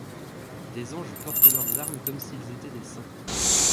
Des anges portent leurs armes, comme s'ils étaient des saints.